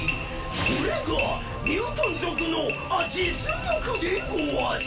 これがミュートン族のあ実力でごわす！